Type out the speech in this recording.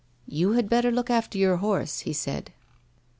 " You had better look after your horse," he said.